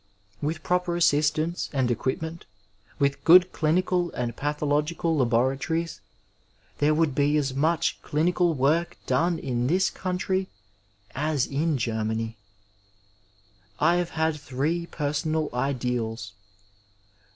With proper assistants and equipment, with good clinical and pathological laboratories there would be as much clinical work done in this country as in Ger^ many. I have had three personal ideals.